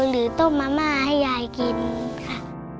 หรือต้มมะม่าให้ยายกินค่ะ